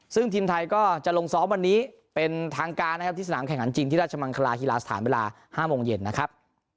ซึ่งทีมไทยก็จะลงซ้อมวันนี้เป็นทางการนะครับที่สนามแข่งขันจริงที่ราชมังคลาฮีลาสถานเวลา๕โมงเย็นนะครับ